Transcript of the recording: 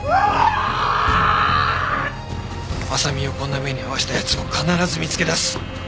麻未をこんな目に遭わせた奴を必ず見つけ出す！